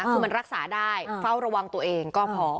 คือมันรักษาได้เฝ้าระวังตัวเองก็พอ